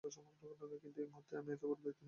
কিন্তু এই মুহুর্তে আমি এত বড় দায়িত্ব নিতে পারবো না।